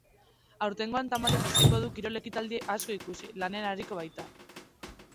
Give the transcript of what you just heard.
Aurtengoan tamalez ezingo du kirol ekitaldi asko ikusi, lanean ariko baita.